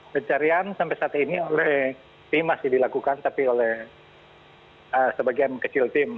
pencarian sampai saat ini masih dilakukan oleh sebagian kecil tim